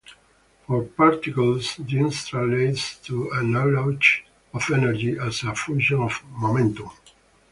For particles, this translates to a knowledge of energy as a function of momentum.